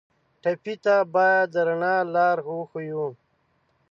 ټپي ته باید د رڼا لار وښیو.